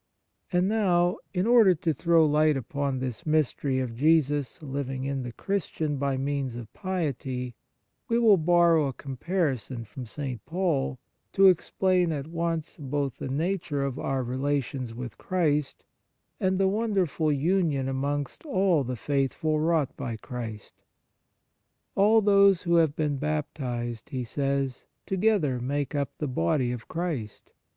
And now, in order to throw light upon this mystery of Jesus living in the Christian by means of piety, we * Rom. viii. 26, 27. f Gal. iv. 6. 44 The Nature of Piety will borrow a comparison from St. Paul to explain at once both the nature of our relations with Christ and the wonderful union amongst all the faith ful wrought by Christ. All those who have been baptized, he says, together make up the body of Christ.